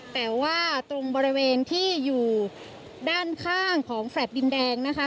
แต่ว่าตรงบริเวณที่อยู่ด้านข้างของแฟลต์ดินแดงนะคะ